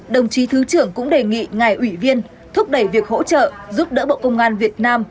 đồng chí thứ trưởng cũng đề nghị ngài ủy viên thúc đẩy việc hỗ trợ giúp đỡ bộ công an việt nam